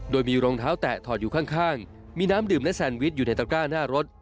โดยมีรองเท้าแตะถอดอยู่ข้างมีน้ำดื่มและแซนวิชอยู่ในตระก้าหน้ารถ